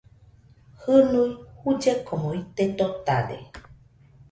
Jɨnui jullekomo ite totade